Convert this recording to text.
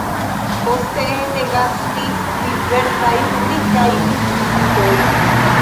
Poste ene gastis diversaj publikaj institutoj.